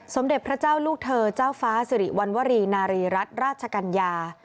สมเด็จพระเจ้าลูกเธอเจ้าฟ้าสิริวัณวรีนารีรัฐราชกัญญา